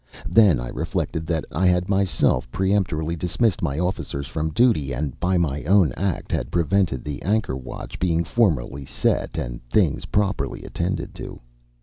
Then I reflected that I had myself peremptorily dismissed my officers from duty, and by my own act had prevented the anchor watch being formally set and things properly attended to.